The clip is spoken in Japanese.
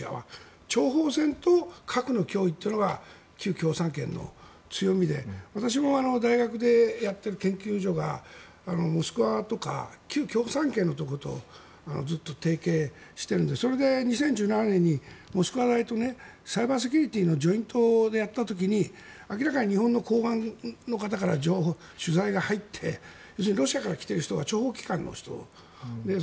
諜報戦と核の脅威というのが旧共産圏の強みで私も大学でやっている研究所がモスクワとか旧共産圏のところとずっと提携しているのでそれで２０１７年にモスクワ大とサイバーセキュリティーのジョイントでやった時に明らかに日本の公安の方から取材が入ってロシアから来てる人は諜報機関ですよ。